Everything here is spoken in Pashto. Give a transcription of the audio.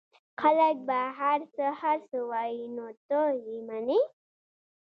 خلک به هرڅه هرڅه وايي نو ته يې منې؟